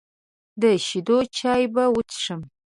د شیدو چای به وڅښم.